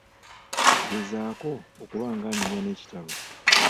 Gezaako okuba ng'anyumya n'ekitabo.